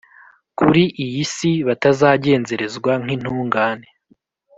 kuri iyi si, batazagenzerezwa nk’intungane